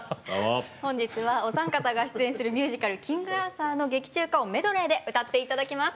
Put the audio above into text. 本日はお三方が出演するミュージカル「キングアーサー」の劇中歌をメドレーで歌って頂きます。